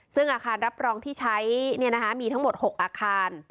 ซึ่งอาคารรับรองที่ใช้เนี่ยนะคะมีทั้งหมดหกอาคาร